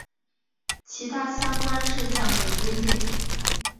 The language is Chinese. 其他相关事项等规定